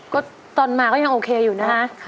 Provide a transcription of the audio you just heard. ก็ตอนมาก็ยังโอเคอยู่นะคะ